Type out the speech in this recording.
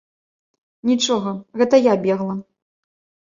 Нічога, гэта я бегла.